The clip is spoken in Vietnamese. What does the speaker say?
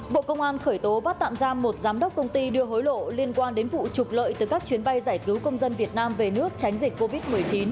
bộ công an khởi tố bắt tạm giam một giám đốc công ty đưa hối lộ liên quan đến vụ trục lợi từ các chuyến bay giải cứu công dân việt nam về nước tránh dịch covid một mươi chín